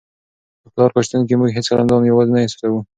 د پلار په شتون کي موږ هیڅکله ځان یوازې نه احساسوو.